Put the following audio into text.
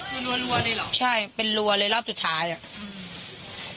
คือรัวเลยเหรอใช่เป็นรัวเลยรอบสุดท้ายอ่ะอืม